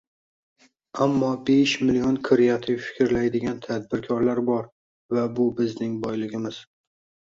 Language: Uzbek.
ammo besh million kreativ fikrlaydigan tadbirkorlar bor va bu bizning boyligimiz.